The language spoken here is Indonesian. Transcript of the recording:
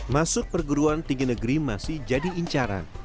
masuk perguruan tinggi negeri masih jadi incaran